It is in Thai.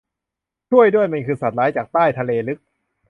ช่วยด้วย ! มันคือสัตว์ร้ายจากใต้ทะเลลึก